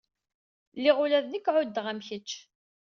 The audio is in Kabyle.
Lliɣ ula d nekk ɛuddeɣ am kečč.